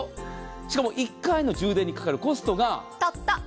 しかも１回の充電にかかるコストが。